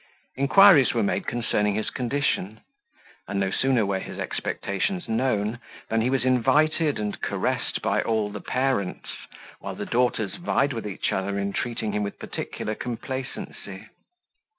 Inquiries were made concerning his condition; and no sooner were his expectations known, than he was invited and caressed by all the parents, while the daughters vied with each other in treating him with particular complacency.